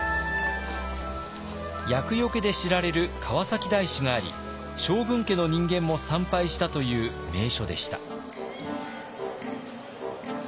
厄よけで知られる川崎大師があり将軍家の人間も参拝したという名所でした。